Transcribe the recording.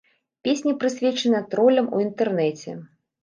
Песня прысвечана тролям у інтэрнэце.